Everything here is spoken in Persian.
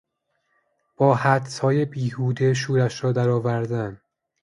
با حدسهای بیهوده شورش را درآوردن